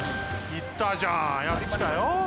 いったじゃんヤツきたよ。